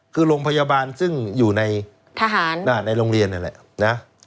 คือโรงพยาบาลซึ่งอยู่ในทหารในโรงเรียนนั่นแหละนะ